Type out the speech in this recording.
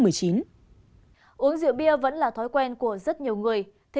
uống rượu bia vẫn là thói quen của rất nhiều người